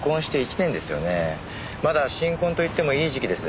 まだ新婚といってもいい時期です。